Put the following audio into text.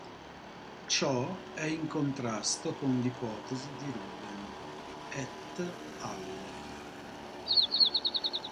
Ciò è in contrasto con l'ipotesi di Ruben "et al.